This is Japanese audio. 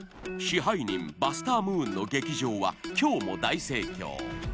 支配人バスター・ムーンの劇場は今日も大盛況